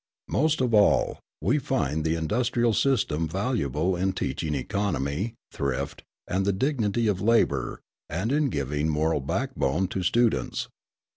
Most of all, we find the industrial system valuable in teaching economy, thrift, and the dignity of labour and in giving moral backbone to students.